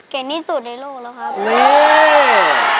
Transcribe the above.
เก่งที่สุดในโลกแล้วครับ